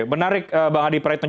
menarik bang adi priton